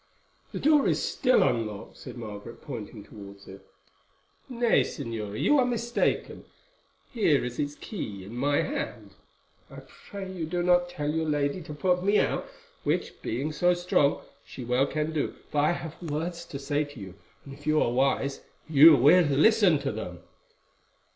"The door is still unlocked," said Margaret, pointing towards it. "Nay, Señora, you are mistaken; here is its key in my hand. I pray you do not tell your lady to put me out, which, being so strong, she well can do, for I have words to say to you, and if you are wise you will listen to them."